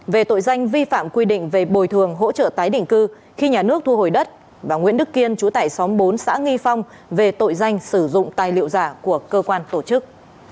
về tội danh vi phạm quy định về bồi thường hỗ trợ tái định cư khi nhà nước thu hồi đất và nguyễn đức kiên chú tại xóm bốn xã nghi phong về tội danh sử dụng tài liệu giả của cơ quan tổ chức